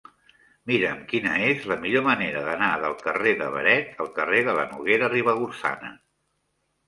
Mira'm quina és la millor manera d'anar del carrer de Beret al carrer de la Noguera Ribagorçana.